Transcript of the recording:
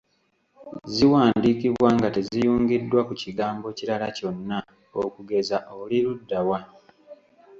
Ziwandiikibwa nga teziyungiddwa ku kigambo kirala kyonna okugeza oli ludda wa?